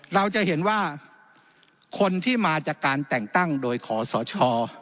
เราจะเห็นว่าคนที่มาจากการแต่งตั้งโดยขอสช